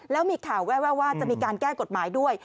แล้วมีข่าวแววว่าจะมีการแก้กฎหมายด้วย